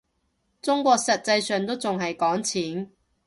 中國實際上都仲係講錢